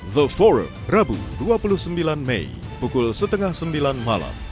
the for rabu dua puluh sembilan mei pukul setengah sembilan malam